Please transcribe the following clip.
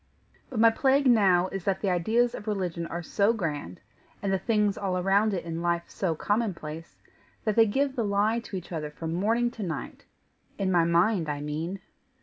But my plague now is that the ideas of religion are so grand, and the things all around it in life so common place, that they give the lie to each other from morning to night in my mind, I mean.